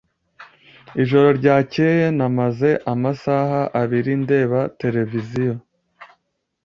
Ijoro ryakeye namaze amasaha abiri ndeba televiziyo.